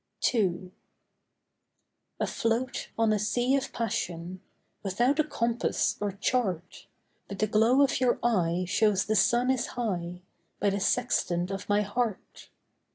II Afloat on a sea of passion Without a compass or chart, But the glow of your eye shows the sun is high, By the sextant of my heart.